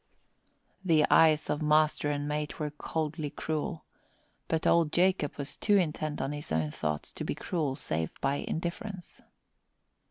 The eyes of master and mate were coldly cruel; but old Jacob was too intent on his own thoughts to be cruel save by indifference.